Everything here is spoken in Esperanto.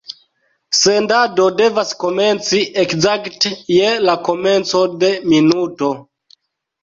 Sendado devas komenci ekzakte je la komenco de minuto.